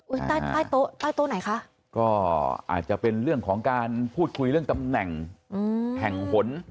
ใต้ใต้โต๊ะใต้โต๊ะไหนคะก็อาจจะเป็นเรื่องของการพูดคุยเรื่องตำแหน่งอืมแห่งหน